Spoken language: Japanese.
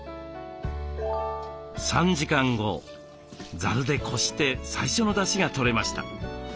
３時間後ザルでこして最初のだしがとれました。